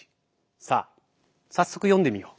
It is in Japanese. さあ早速読んでみよう。